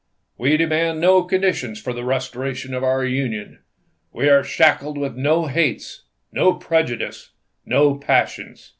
We demand no conditions for the restoration of our Union. We are shackled with no hates, no prejudices, no passions."